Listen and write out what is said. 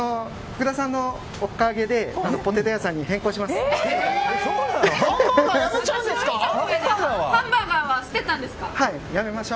福田さんのおかげでポテト屋さんに変更します。